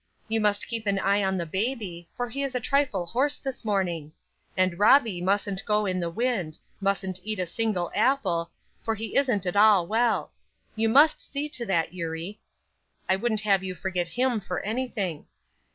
You must keep an eye on the baby, for he is a trifle hoarse this morning; and Robbie mustn't go in the wind mustn't eat a single apple, for he isn't at all well; you must see to that, Eurie I wouldn't have you forget him for anything.